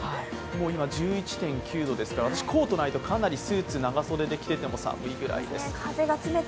今、１１．９度ですから私、コートがないとかなりスーツ、長袖で着てても寒いくらいです。